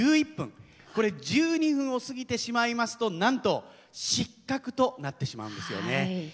これ１２分を過ぎてしまいますとなんと失格となってしまうんですよね。